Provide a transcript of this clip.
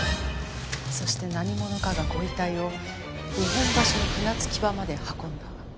そして何者かがご遺体を日本橋の船着き場まで運んだ。